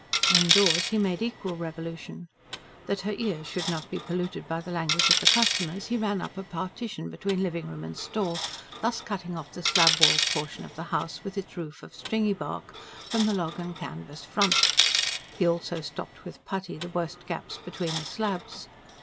Indoors he made equal revolution. That her ears should not be polluted by the language of the customers, he ran up a partition between living room and store, thus cutting off the slab walled portion of the house, with its roof of stringy bark, from the log and canvas front. He also stopped with putty the worst gaps between the slabs.